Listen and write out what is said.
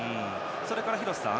それから、廣瀬さん